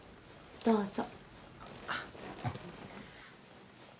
どうぞ。